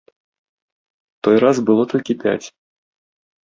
Той раз было толькі пяць.